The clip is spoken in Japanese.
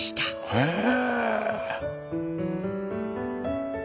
へえ！